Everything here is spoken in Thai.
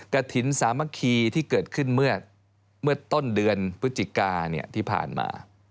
กระถิ่นสามัคคีที่เกิดขึ้นเมื่อต้นเดือนพฤศจิกาที่ผ่านมา